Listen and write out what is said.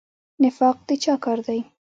نفاق د چا کار دی؟